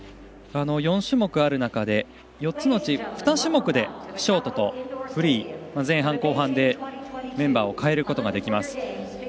４種目ある中で４つのうち２種目でショートとフリー、前半と後半でメンバーを代えることができます。